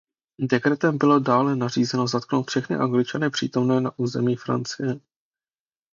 Dekretem bylo dále nařízeno zatknout všechny Angličany přítomné na území Francie.